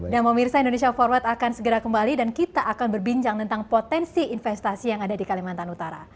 dan memirsa indonesia forward akan segera kembali dan kita akan berbincang tentang potensi investasi yang ada di kalimantan utara